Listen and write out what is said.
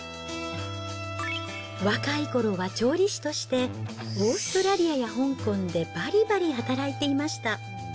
若いころは調理師として、オーストラリアや香港でばりばり働いていました。